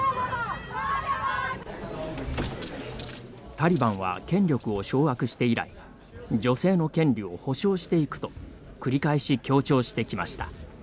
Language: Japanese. タリバンは権力を掌握して以来女性の権利を保障していくと繰り返し強調してきました。